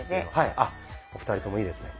お二人ともいいですね。